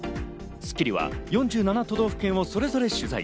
『スッキリ』は４７都道府県をそれぞれ取材。